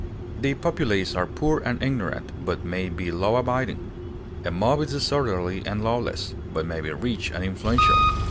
The populace are poor and ignorant, but may be law abiding; a mob is disorderly and lawless, but may be rich and influential.